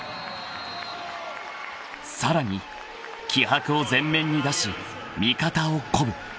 ［さらに気迫を前面に出し味方を鼓舞］